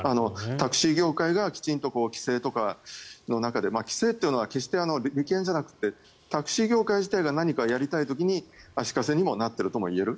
タクシー業界がきちんと規制とか規制というのは決して利権じゃなくてタクシー業界自体が何かやりたい時に足かせになっているともいえる。